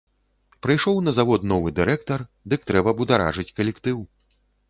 Прыйшоў на завод новы дырэктар, дык трэба бударажыць калектыў.